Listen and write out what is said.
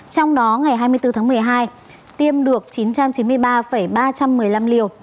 trong đó ngày hai mươi bốn tháng một mươi hai tiêm được chín trăm chín mươi ba ba trăm một mươi năm liều